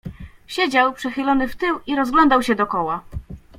"Siedział, przechylony w tył i rozglądał się dokoła."